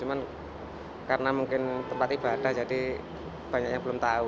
cuma karena mungkin tempat ibadah jadi banyak yang belum tahu